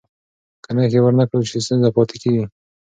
که نښې ور نه کړل سي، ستونزه پاتې کېږي.